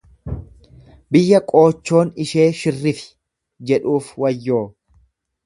Biyya qoochoon ishee shirrifi jedhuuf wayyoo!